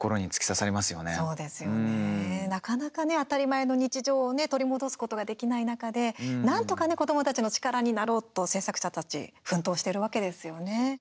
なかなか当たり前の日常を取り戻すことができない中で何とか子どもたちの力になろうと制作者たち奮闘してるわけですよね。